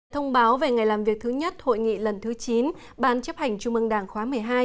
thông báo về ngày làm việc thứ nhất hội nghị lần thứ chín ban chấp hành trung mương đảng khóa một mươi hai